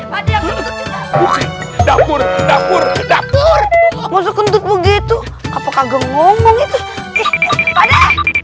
hai dapur dapur dapur masuk untuk begitu apakah genggam ngomong itu